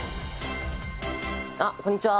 あっこんにちは！